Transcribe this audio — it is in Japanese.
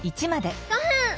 ５分！